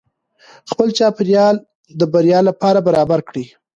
خپل چاپیریال د بریا لپاره برابر کړئ.